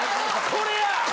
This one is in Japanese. これや！